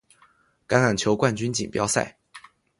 橄榄球冠军锦标赛。